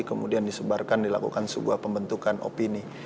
kemudian disebarkan dilakukan sebuah pembentukan opini